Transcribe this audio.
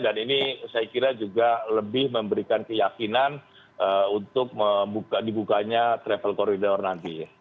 dan ini saya kira juga lebih memberikan keyakinan untuk dibukanya travel corridor nanti